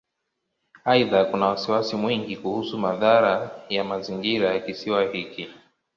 Aidha, kuna wasiwasi mwingi kuhusu madhara ya mazingira ya Kisiwa hiki.